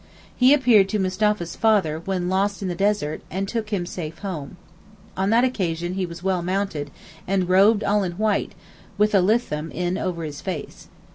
He appeared to Mustapha's father when lost in the desert, and took him safe home. On that occasion he was well mounted, and robed all in white, with a litham in over his face.